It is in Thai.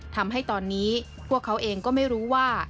ทำให้ตอนนี้พวกเขาเองก็ไม่รู้ว่า